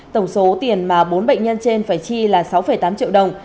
tổng số tiền mà bốn bệnh nhân trên phải chi là sáu tám triệu đồng